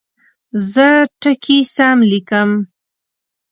زه ټکي سم لیکم.